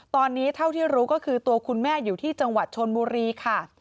ตอนนี้เท่าที่รู้ก็คือตัวคุณแม่อยู่ที่จังหวัดชนบุรีค่ะ